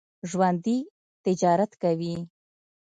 ژوندي تجارت کوي